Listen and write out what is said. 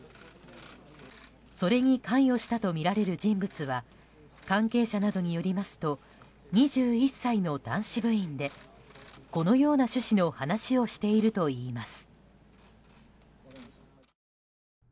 それに関与したとみられる人物は関係者などによりますと２１歳の男子部員で、このような趣旨の話をしているといいます。